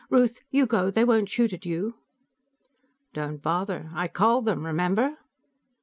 "Ruth, you go; they won't shoot at you." "Don't bother. I called them. Remember?"